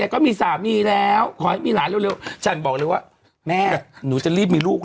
ก็มีสามีแล้วขอให้มีหลานเร็วฉันบอกเลยว่าแม่หนูจะรีบมีลูก